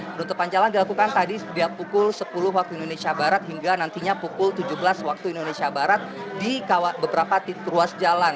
penutupan jalan dilakukan tadi setiap pukul sepuluh waktu indonesia barat hingga nantinya pukul tujuh belas waktu indonesia barat di beberapa ruas jalan